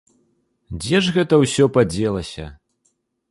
Дзе ж гэта ўсё падзелася?